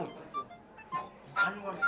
kamu tuh cute banget deh